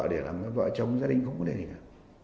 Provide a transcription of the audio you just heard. để làm vợ chồng gia đình không có gì cả